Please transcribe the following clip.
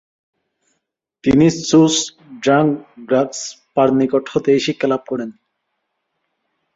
তিনি ছোস-দ্বাং-গ্রাগ্স-পার নিকট হতেই শিক্ষালাভ করেন।